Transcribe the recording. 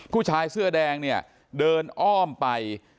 ผู้ชายเสื้อแดงเนี่ยเดินอ้อมไป